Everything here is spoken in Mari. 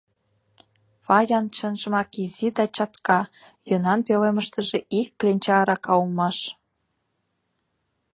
Фаян чынжымак изи да чатка, йӧнан пӧлемыштыже ик кленча арака улмаш.